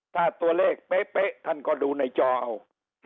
ถ้าตัวเลขเป๊ะท่านก็ดูในจอเอา